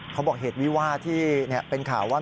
เขาบอกเหตุวิวาที่เป็นข่าวว่า